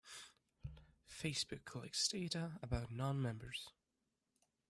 Facebook collects data about non-members.